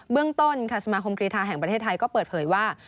เรื่องต้นค่ะสมาคมกรีธาแห่งประเทศไทยก็เปิดเผยว่า